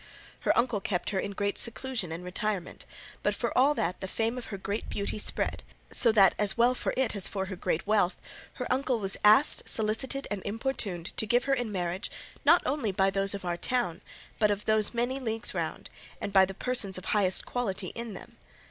Her uncle kept her in great seclusion and retirement, but for all that the fame of her great beauty spread so that, as well for it as for her great wealth, her uncle was asked, solicited, and importuned, to give her in marriage not only by those of our town but of those many leagues round, and by the persons of highest quality in them.